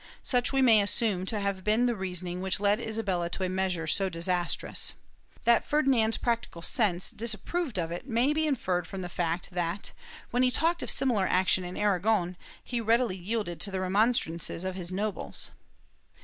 Such we may assume to have been the reasoning which led Isabella to a measure so disastrous. That Ferdinand's practical sense disapproved of it may be inferred from the fact that, when he talked of similar action in Aragon, he readily yielded to the remonstrances of his nobles.